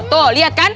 tuh lihat kan